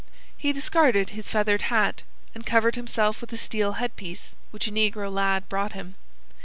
He discarded his feathered hat, and covered himself with a steel head piece, which a negro lad brought him.